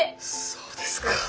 そうですか。